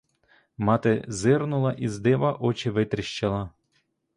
Мати зирнула і з дива очі витріщила.